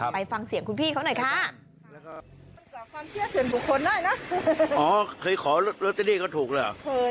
ไปฟังเสียงคุณพี่เขาหน่อยค่ะ